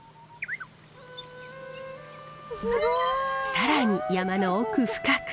更に山の奥深く